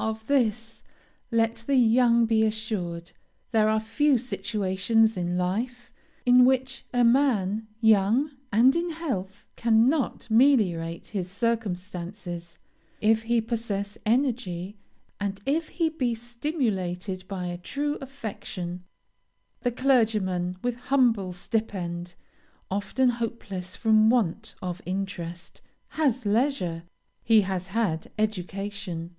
"Of this let the young be assured; there are few situations in life, in which a man, young, and in health, cannot meliorate his circumstances, if he possess energy and if he be stimulated by a true affection. The clergyman, with humble stipend, often hopeless from want of interest, has leisure he has had education.